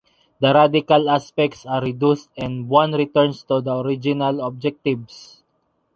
The radical aspects are reduced and one returns to the original objectives.